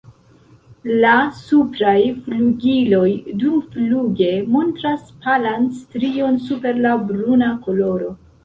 La supraj flugiloj dumfluge montras palan strion super la bruna koloro.